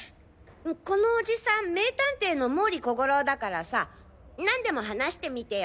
このおじさん名探偵の毛利小五郎だからさ何でも話してみてよ。